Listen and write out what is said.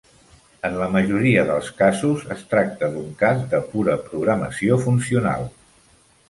En la majoria dels casos, es tracta d'un cas de pura programació funcional.